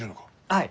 はい。